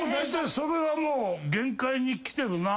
それはもう限界にきてるな。